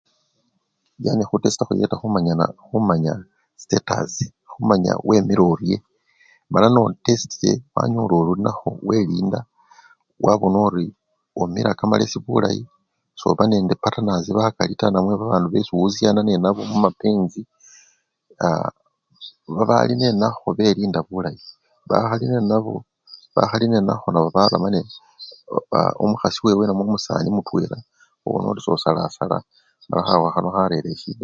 Yani khutesta khuyeta khumanyana! khumanya sitetasi, khumanya wemile orye mala notesitile wanyola olinakho welinda wabona ori omila kamalesi bulayi, soba nende patanasi bakali taa namwe babandu besi owusiyana nenabo mumapensi, aa! babali nenakho belinda bulayi, bakhali nenabwo! bakhali nenakho nabo barama ne! o! omukhasi wewe namwe omusani mutwela khubona ori sosalasala mala khawukha khano kharera esyida taa.